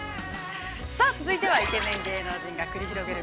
◆さあ、続いては、イケメン芸能人が繰り広げる